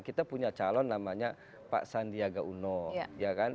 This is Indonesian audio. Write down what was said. kita punya calon namanya pak sandiaga uno ya kan